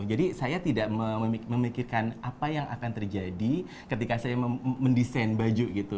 jadi saya tidak memikirkan apa yang akan terjadi ketika saya mendesain baju gitu